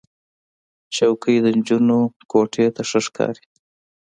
چوکۍ د نجونو کوټې ته ښه ښکاري.